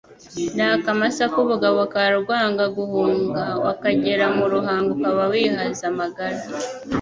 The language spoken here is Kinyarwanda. ndi akamasa k'ubugabo ka Rwangaguhunga, wakagera mu ruhanga ukaba wihaze amagara